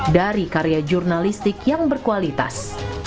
dari karya jurnalistik yang berkualitas